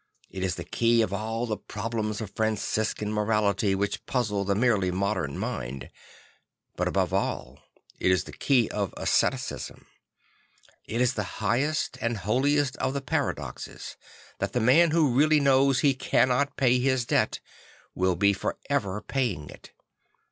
It is the key of all the problems of Franciscan morality which puzzle the merely modem mind; but above all it is the key of asceticism. It is the highest and holiest of the paradoxes that the man who really knows he cannot pay his debt will be for ever paying it.